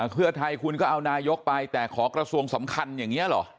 เพื่อไทยคุณก็เอานายกไปแต่ขอกระทรวงสำคัญอย่างนี้เหรอ